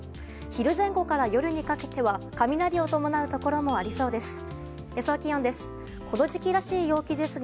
昼前後から夜にかけては雷を伴うところもありそうです。